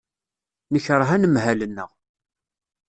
Nekṛeh anemhal-nneɣ.